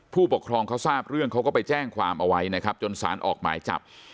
ผู้ปกครองเขาทราบเรื่องเขาก็ไปแจ้งความเอาไว้นะครับจนสารออกหมายจับ